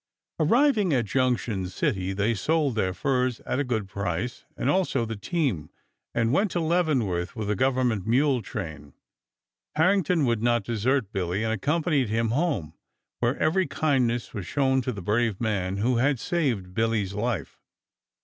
Arriving at Junction City they sold their furs at a good price, and also the team, and went to Leavenworth with a government mule train. Harrington would not desert Billy, and accompanied him home, where every kindness was shown to the brave man who had saved Billy's life.